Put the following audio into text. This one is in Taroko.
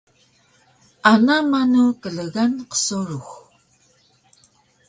Ana manu klgan qsurux